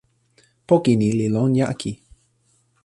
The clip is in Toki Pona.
poki ni li lon jaki.